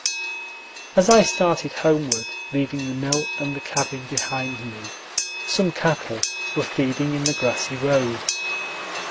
As I started homeward, leaving the mill and the cabin behind me, some cattle were feeding in the grassy road.